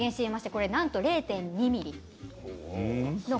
これ、なんと０．２ｍｍです。